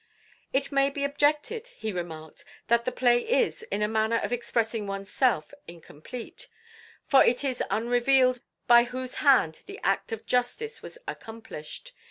"It may be objected," he remarked, "that the play is, in a manner of expressing one's self, incomplete; for it is unrevealed by whose hand the act of justice was accomplished.